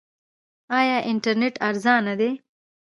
آیا انټرنیټ ارزانه دی؟